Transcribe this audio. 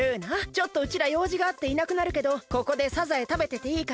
ちょっとうちらようじがあっていなくなるけどここでサザエたべてていいから！